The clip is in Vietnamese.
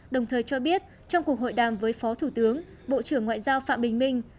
đồng thời cho biết trong cuộc hội đàm với phó thủ tướng bộ trưởng ngoại giao phạm bình minh